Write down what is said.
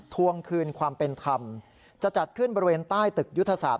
ทวงคืนความเป็นธรรมจะจัดขึ้นบริเวณใต้ตึกยุทธศาสต